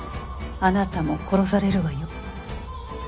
あなたも殺されるわよ。